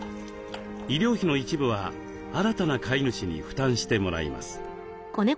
医療費の一部は新たな飼い主に負担してもらいます。